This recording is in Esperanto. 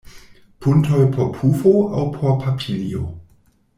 Puntoj por pufo aŭ por papilio?